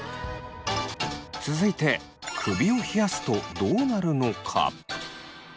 続いて首を冷やすとどうなるのか。